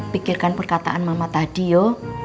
pikirkan perkataan mama tadi yo